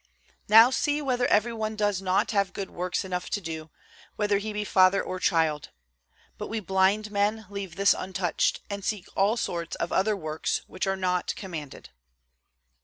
Now see whether every one does not have good works enough to do, whether he be father or child. But we blind men leave this untouched, and seek all sorts of other works which are not commanded.